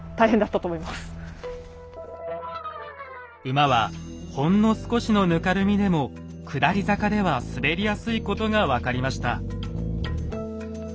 馬はほんの少しのぬかるみでも下り坂では滑りやすいことが分かりました。